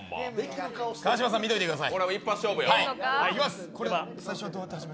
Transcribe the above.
川島さん、見ておいてください。